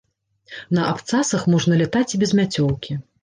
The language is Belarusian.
На абцасах можна лятаць і без мяцёлкі.